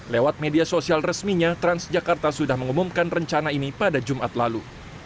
lewat media sosial resminya transjakarta sudah mengumumkan rencana ini pada jumat lalu